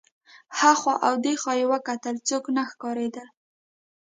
هخوا او دېخوا یې وکتل څوک نه ښکارېدل.